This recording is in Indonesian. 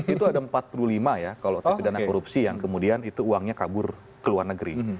itu ada empat puluh lima ya kalau terpidana korupsi yang kemudian itu uangnya kabur ke luar negeri